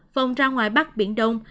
vòng ra ngoài bắc biển đông